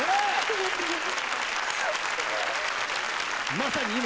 まさに今。